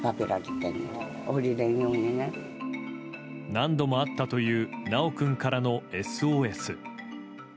何度もあったという修君からのＳＯＳ。